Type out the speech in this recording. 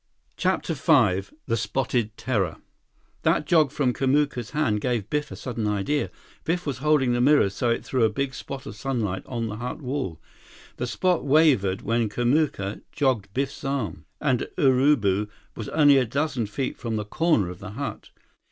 CHAPTER V The Spotted Terror That jog from Kamuka's hand gave Biff a sudden idea. Biff was holding the mirror so it threw a big spot of sunlight on the hut wall. The spot wavered when Kamuka jogged Biff's arm, and Urubu was only a dozen feet from the corner of the hut.